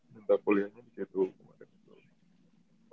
minta kuliahnya begitu kemarin